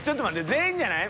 全員じゃない？